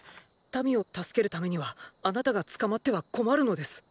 民を助けるためにはあなたが捕まっては困るのです！